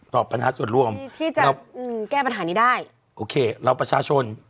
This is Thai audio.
ตอบปัญหาส่วนร่วมที่จะแล้วค่ะโอเคเราประชาชน